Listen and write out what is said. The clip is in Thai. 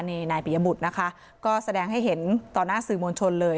นี่นายปิยบุตรนะคะก็แสดงให้เห็นต่อหน้าสื่อมวลชนเลย